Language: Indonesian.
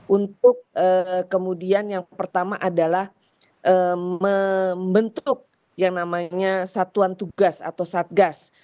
untuk kemudian yang pertama adalah membentuk yang namanya satuan tugas atau satgas